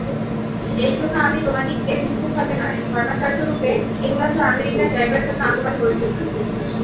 এইজন্য আমি তোমাদিগকে ভিক্ষুকভাবে নয়, ধর্মাচার্যরূপে ইংলণ্ড ও আমেরিকায় যাইবার জন্য আহ্বান করিতেছি।